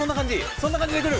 そんな感じでくる？